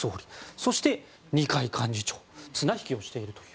そして、二階幹事長綱引きをしているという。